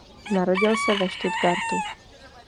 Narodil se ve Stuttgartu.